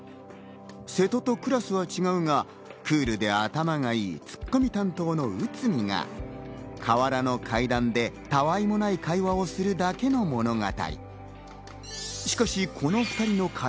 瀬戸とクラスは違うが、クールで頭がいいツッコミ担当の内海が河原の階段で他愛もない会話をするだけの物語。